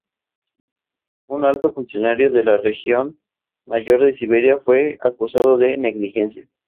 Un alto funcionario de la región mayor de Siberia fue acusado de negligencia.